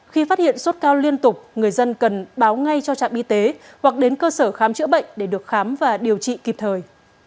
khi phát hiện sốt cao liên tục người dân cần báo ngay cho trạm y tế hoặc đến cơ sở khám chữa bệnh để được khám và điều trị kịp thời